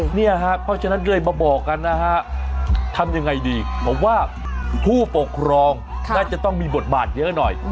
เพราะฉะนั้นก็เลยมาบอกกันนะฮะทำยังไงดีผมว่าผู้ปกครองน่าจะต้องมีบทบาทเยอะหน่อย